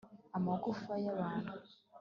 amagufa yabantu